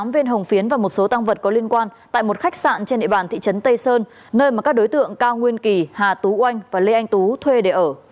tám viên hồng phiến và một số tăng vật có liên quan tại một khách sạn trên địa bàn thị trấn tây sơn nơi mà các đối tượng cao nguyên kỳ hà tú oanh và lê anh tú thuê để ở